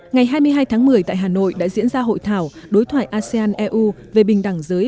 ngày hai mươi hai tháng một mươi tại hà nội đã diễn ra hội thảo đối thoại asean eu về bình đẳng giới